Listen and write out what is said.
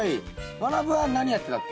まなぶは何やってたっけ？